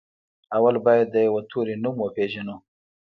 اول بايد د يوه توري نوم وپېژنو.